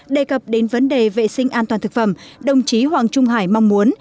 đề cập đến vấn đề vệ sinh an toàn thực phẩm đồng chí hoàng trung hải mong muốn